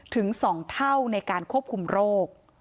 ถึง๒เท่าในการควบคุมโรค